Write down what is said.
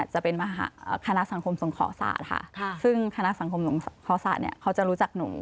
จะเป็นขณะสังคมสงขสาชค่ะ